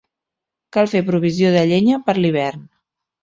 Cal fer provisió de llenya per a l'hivern.